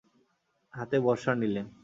হাতে বর্শা নিলেন।